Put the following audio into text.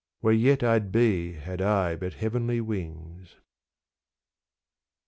Where yet I 'd be had I but heavenly wings.